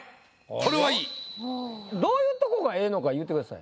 はいどういうとこがええのか言うてください。